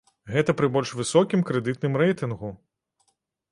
Гэта пры больш высокім крэдытным рэйтынгу!